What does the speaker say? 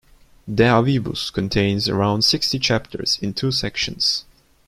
"De avibus" contains around sixty chapters in two sections.